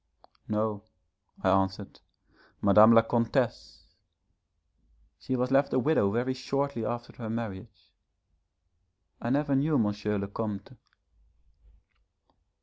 'No,' I answered, 'Madame la Comtesse. She was left a widow very shortly after her marriage. I never knew M. le Comte.'